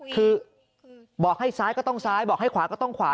คือบอกให้ซ้ายก็ต้องซ้ายบอกให้ขวาก็ต้องขวา